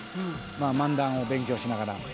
「漫談を勉強しながら」